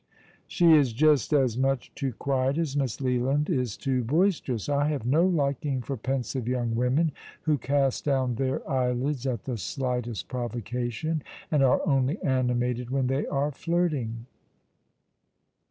" She is just as much too quiet as Miss.Leland is too boisterous. I have no liking for pensive young women who cast down their eyelids at the slightest provocation, and are only animated when they are flirting."